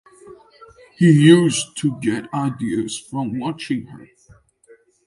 He used to get ideas from watching her.